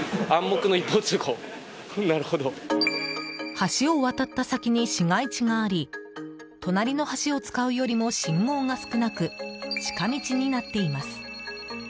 橋を渡った先に市街地があり隣の橋を使うよりも信号が少なく近道になっています。